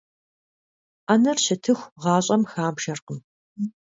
Ӏэнэр щытыху, гъащӀэм хабжэркъым.